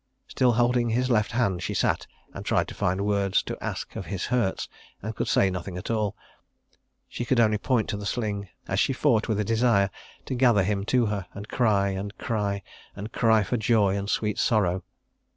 Still holding his left hand, she sat and tried to find words to ask of his hurts, and could say nothing at all. ... She could only point to the sling, as she fought with a desire to gather him to her, and cry and cry and cry for joy and sweet sorrow.